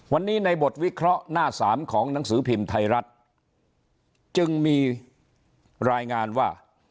วันนี้ในบทวิเคราะห์หน้าสามของหนังสือพิมพ์ไทยรัฐจึงมีรายงานว่า